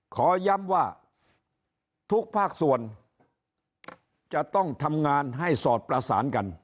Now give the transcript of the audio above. ขอย้ำว่าทุกภาคส่วนจะต้องทำงานให้สอดประสานกัน